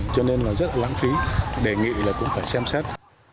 cho nên là rất là lãng phí đề nghị là cũng phải xem xét